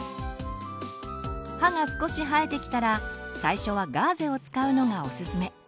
歯が少し生えてきたら最初はガーゼを使うのがオススメ。